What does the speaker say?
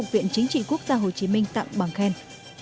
viện chính trị quốc gia hồ chí minh tặng bằng khen